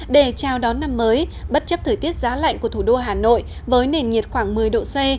để chào đón năm mới bất chấp thời tiết giá lạnh của thủ đô hà nội với nền nhiệt khoảng một mươi độ c